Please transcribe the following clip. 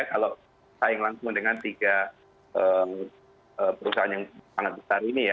kalau saing langsung dengan tiga perusahaan yang sangat besar ini ya